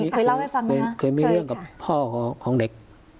เคยเล่าให้ฟังไหมเคยมีเรื่องกับพ่อของเด็ก